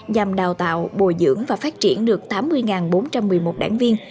nhằm đào tạo bồi dưỡng và phát triển được tám mươi bốn trăm một mươi một đảng viên